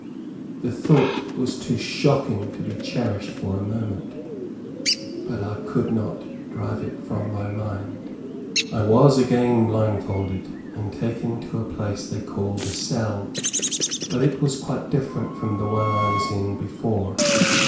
The thought was too shocking to be cherished for a moment; but I could not drive it from my mind. I was again blindfolded, and taken to a place they called a cell. But it was quite different from the one I was in before.